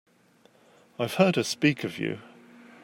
I've heard her speak of you.